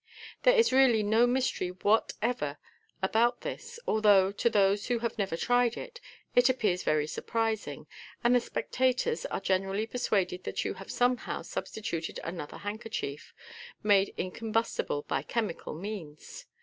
There is really no mystery whatever about this, although, to those who have never tried it, it appears very surprising, and the spectators are generally persuaded that you have somehow substituted another handkerchief, made incombustible by chemical means.